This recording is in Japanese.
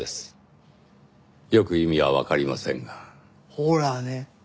ほらね。